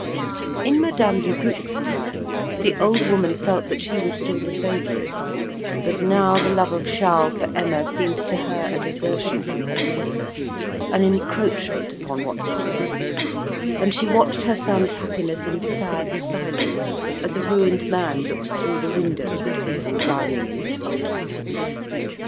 In Madame Dubuc's time the old woman felt that she was still the favorite; but now the love of Charles for Emma seemed to her a desertion from her tenderness, an encroachment upon what was hers, and she watched her son's happiness in sad silence, as a ruined man looks through the windows at people dining in his old house.